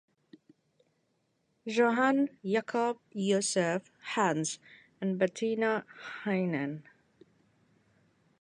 Johann Jakob Josef ("Hanns") and Bettina Heinen.